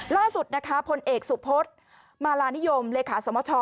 ล่าสุดนะคะพลเอกสุพศมาลานิยมเลขาสมช